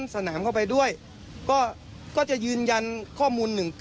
สนามเข้าไปด้วยก็จะยืนยันข้อมูล๑๙